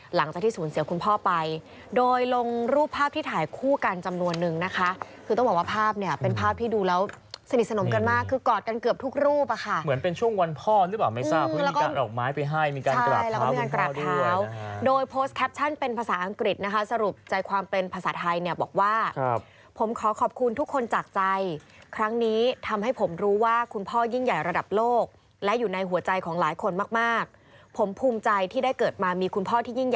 หลังจากที่ศูนย์เสียคุณพ่อไปโดยลงรูปภาพที่ถ่ายคู่กันจำนวนนึงนะคะคือต้องบอกว่าภาพเนี่ยเป็นภาพที่ดูแล้วสนิทสนมกันมากคือกอดกันเกือบทุกรูปค่ะเหมือนเป็นช่วงวันพ่อหรือเปล่าไม่ทราบว่าออกไม้ไปให้มีการกระบเท้าด้วยโดยโพสต์แคปชั่นเป็นภาษาอังกฤษนะคะสรุปใจความเป็น